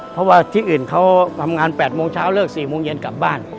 เพราะว่าที่อื่นเขาทำงาน๘โมงเช้าเลิก๔โมงเย็นกลับบ้าน